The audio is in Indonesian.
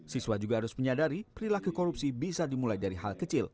siswa juga harus menyadari perilaku korupsi bisa dimulai dari hal kecil